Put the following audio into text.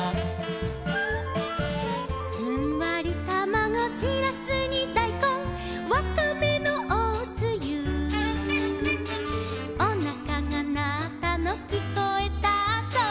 「ふんわりたまご」「しらすにだいこん」「わかめのおつゆ」「おなかがなったのきこえたぞ」